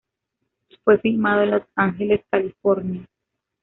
Fue filmado en Los Ángeles, California.